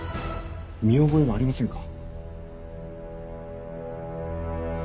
見覚えはありませんか？